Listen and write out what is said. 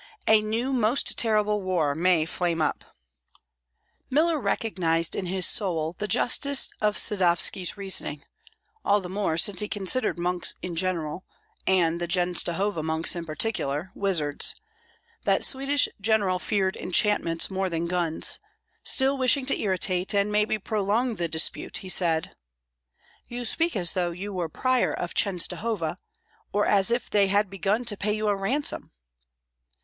A new most terrible war may flame up!" Miller recognized in his soul the justice of Sadovski's reasoning, all the more since he considered monks in general, and the Chenstohova monks in particular, wizards, that Swedish general feared enchantments more than guns; still wishing to irritate, and maybe prolong the dispute, he said, "You speak as though you were prior of Chenstohova, or as if they had begun to pay you a ransom."